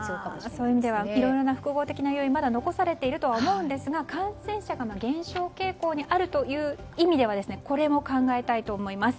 そういう意味ではいろいろ複合的なもの残されていると思うんですが感染者が減少傾向にあるという意味ではこれも考えたいと思います。